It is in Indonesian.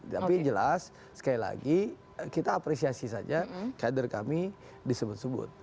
tapi jelas sekali lagi kita apresiasi saja kader kami disebut sebut